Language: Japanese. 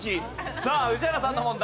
さあ宇治原さんの問題。